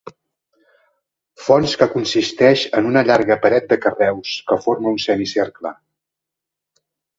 Font que consisteix en una llarga paret de carreus, que forma un semicercle.